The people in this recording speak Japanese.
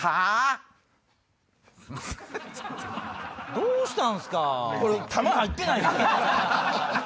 どうしたんすか？